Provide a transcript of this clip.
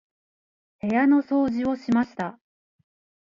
部屋の掃除をしました。